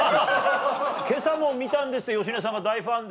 今朝も見たんですって芳根さんが大ファンで。